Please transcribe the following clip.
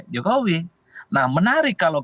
jokowi nah menarik kalau